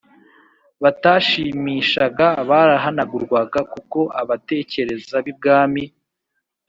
batashimishaga barahanagurwaga, kuko abatekereza b'ibwami